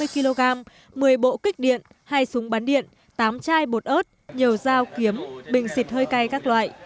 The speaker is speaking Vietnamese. sáu trăm năm mươi kg một mươi bộ kích điện hai súng bắn điện tám chai bột ớt nhiều dao kiếm bình xịt hơi cay các loại